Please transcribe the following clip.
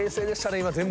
今全部。